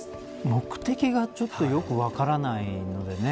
目的がちょっとよく分からないのでね